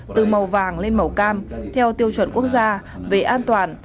từ màu vàng lên màu cam theo tiêu chuẩn quốc gia về an toàn